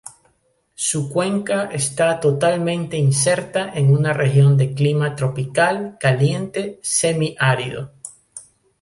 Su cuenca está totalmente inserta en una región de clima tropical caliente semiárido.